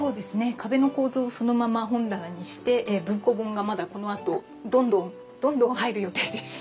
壁の構造をそのまま本棚にして文庫本がまだこのあとどんどんどんどん入る予定です。